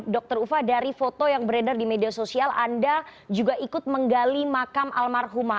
dr ufa dari foto yang beredar di media sosial anda juga ikut menggali makam almarhumah